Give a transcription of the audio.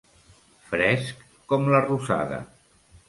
Fresc com la rosada.